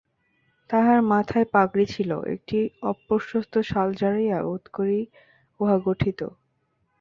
তাঁহার মাথায় পাগড়ি ছিল, একটি অপ্রশস্ত শাল জড়াইয়া বোধ করি উহা গঠিত।